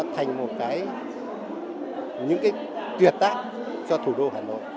thành một cái những cái tuyệt tác cho thủ đô hà nội